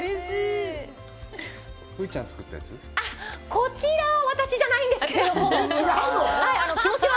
こちらは私じゃないんですけどもえっ違うの？